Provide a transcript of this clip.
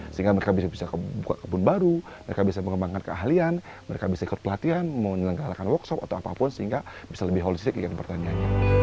sehingga mereka bisa buka kebun baru mereka bisa mengembangkan keahlian mereka bisa ikut pelatihan menyelenggarakan workshop atau apapun sehingga bisa lebih holistik pertaniannya